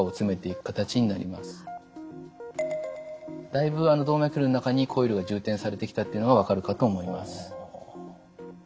だいぶ動脈瘤の中にコイルが充填されてきたというのが分かるかと思います。